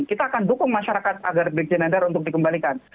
kita akan dukung masyarakat agar brigjen endar untuk dikembalikan